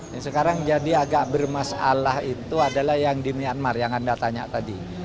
yang sekarang jadi agak bermasalah itu adalah yang di myanmar yang anda tanya tadi